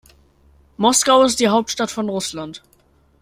Moskau ist die Hauptstadt von Russland.